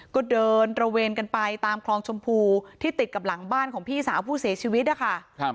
ก็เดินตระเวนกันไปตามคลองชมพูที่ติดกับหลังบ้านของพี่สาวผู้เสียชีวิตนะคะ